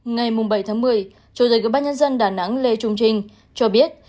ngày bảy một mươi chủ tịch bác nhân dân đà nẵng lê trung trinh cho biết